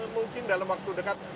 mungkin dalam waktu dekat